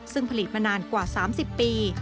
ซึ่งผลิตมานานกว่า๓๐ปี